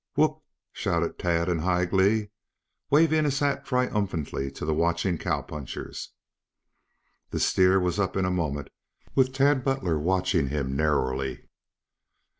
"Whoop!" shouted Tad in high glee, waving his hat triumphantly to the watching cowpunchers. The steer was up in a moment, with Tad Butler watching him narrowly.